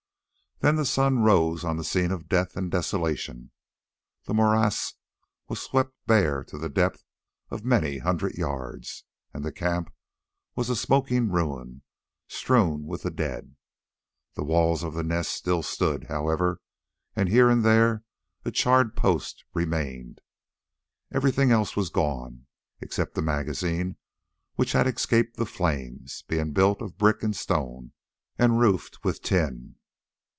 Then the sun rose on the scene of death and desolation. The morass was swept bare to the depth of many hundred yards, and the camp was a smoking ruin strewn with the dead. The walls of the Nest still stood, however, and here and there a charred post remained. Everything else was gone, except the magazine, which had escaped the flames, being built of brick and stone, and roofed with tin.